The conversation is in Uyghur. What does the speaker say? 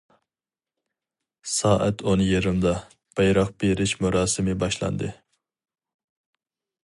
سائەت ئون يېرىمدا، بايراق بېرىش مۇراسىمى باشلاندى.